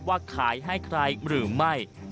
ว่าขายให้ใครหรือไม่